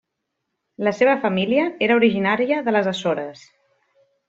La seva família era originària de les Açores.